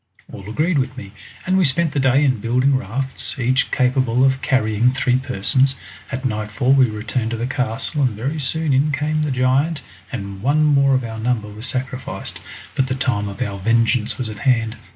All agreed with me, and we spent the day in building rafts, each capable of carrying three persons. At nightfall we returned to the castle, and very soon in came the giant, and one more of our number was sacrificed. But the time of our vengeance was at hand!